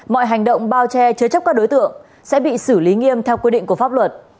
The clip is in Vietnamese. mọi hành động bao che chứa chấp các đối tượng sẽ bị xử lý nghiêm theo quy định của pháp luật